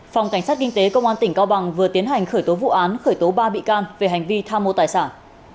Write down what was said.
phòng cảnh sát kinh tế công an tỉnh cao bằng vừa tiến hành khởi tố vụ án khởi tố ba bị can về hành vi tham mô tài sản